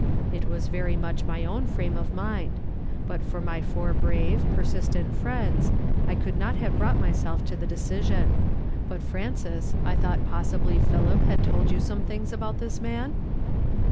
It was very nuioli my own frame of mind ; but for my four brave, [)er sistent friends, I could not have brouglit myself to the decision. Hut Fraiun^s, I thought possibly lMiil'[) had told you some things about this man?